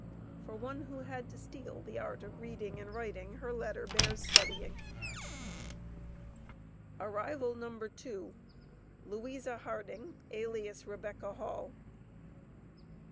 For one who had to steal the art of reading and writing, her letter bears studying. Arrival No. 2. Louisa Harding, alias Rebecca Hall.